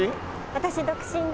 私独身です。